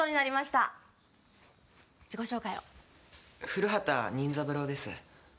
「古畑任三郎です」